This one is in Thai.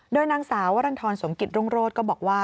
ด้วยนางสาววรรรณทรสมกิตรุงโรศก็บอกว่า